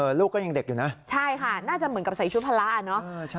ลูกก็ยังเด็กอยู่นะใช่ค่ะน่าจะเหมือนกับใส่ชุดพละอ่ะเนอะ